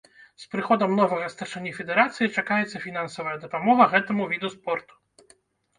З прыходам новага старшыні федэрацыі чакаецца і фінансавая дапамога гэтаму віду спорту.